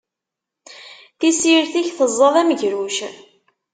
Tissirt-ik teẓẓad amegruc.